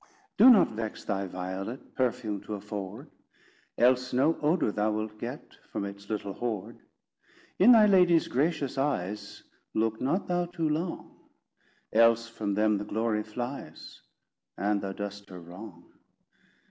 Do not vex thy violet Perfume to afford: Else no odour thou wilt get From its little hoard. In thy lady's gracious eyes Look not thou too long; Else from them the glory flies, And thou dost her wrong.